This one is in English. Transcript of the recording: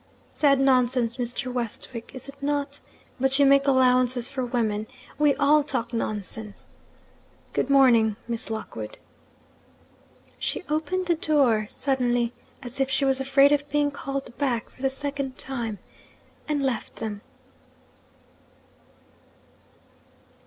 Sad nonsense, Mr. Westwick, is it not? But you make allowances for women; we all talk nonsense. Good morning, Miss Lockwood.' She opened the door suddenly, as if she was afraid of being called back for the second time and left them.